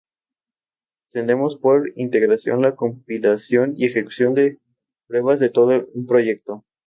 Entendemos por integración la compilación y ejecución de pruebas de todo un proyecto.